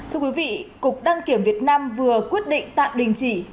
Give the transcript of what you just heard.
thưa quý vị cục đăng kiểm việt nam vừa quyết định tạm đình chỉ